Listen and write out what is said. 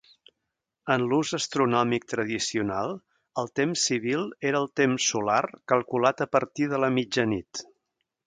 En l'ús astronòmic tradicional, el temps civil era el temps solar calculat a partir de la mitjanit.